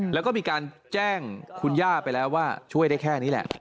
แล้วก็มีการแจ้งคุณย่าไปแล้วว่าช่วยได้แค่นี้แหละ